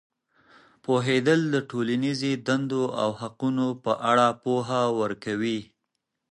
پوهېدل د ټولنیزې دندو او حقونو په اړه پوهه ورکوي.